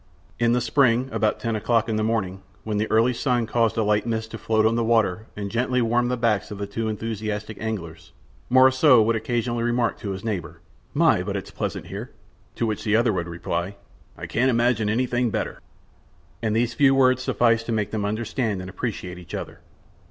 In the spring, about ten o'clock in the morning, when the early sun caused a light mist to float on the water and gently warmed the backs of the two enthusiastic anglers, Morissot would occasionally remark to his neighbor: "My, but it's pleasant here." To which the other would reply: "I can't imagine anything better!" And these few words sufficed to make them understand and appreciate each other.